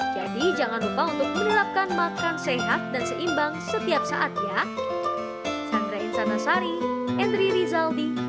jadi jangan lupa untuk menerapkan makan sehat dan seimbang setiap saat ya